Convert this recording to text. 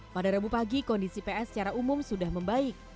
pada rabu pagi kondisi ps secara umum sudah membaik